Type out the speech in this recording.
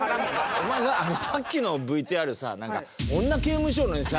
お前ささっきのＶＴＲさなんか女刑務所のさ。